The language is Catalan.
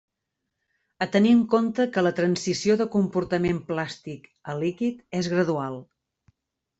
A tenir en compte que la transició de comportament plàstic a líquid és gradual.